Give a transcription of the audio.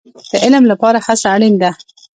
د علم لپاره هڅه اړین ده